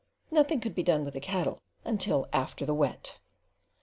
Nothing could be done with the cattle until "after the Wet."